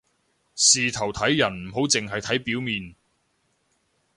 事頭睇人唔好淨係睇表面